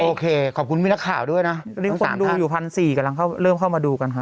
โอเคขอบคุณพี่นักข่าวด้วยนะตอนนี้ผมดูอยู่พันสี่กำลังเริ่มเข้ามาดูกันฮะ